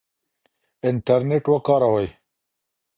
انټرنیټ وکاروئ.